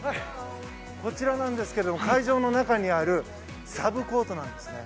こちらなんですが会場の中にあるサブコートなんですね。